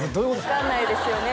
分かんないですよね